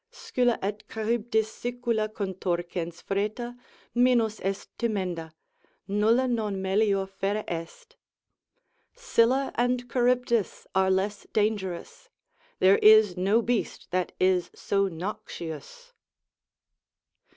Scylla et Charybdis Sicula contorquens freta, Minus est timenda, nulla non melior fera est. Scylla and Charybdis are less dangerous, There is no beast that is so noxious.